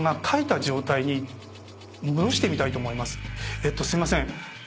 えっとすいません。